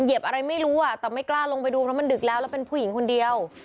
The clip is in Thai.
อะไรไม่รู้อ่ะแต่ไม่กล้าลงไปดูเพราะมันดึกแล้วแล้วเป็นผู้หญิงคนเดียว